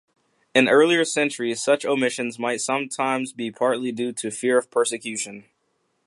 In earlier centuries such omissions might sometimes be partly due to fear of persecution.